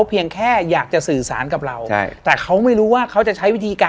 นี่น่ากลัวใช่ปะ